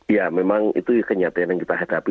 ya memang itu kenyataan yang kita hadapi